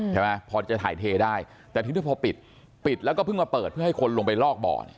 ใช่ไหมพอจะถ่ายเทได้แต่ทีนี้พอปิดปิดแล้วก็เพิ่งมาเปิดเพื่อให้คนลงไปลอกบ่อเนี่ย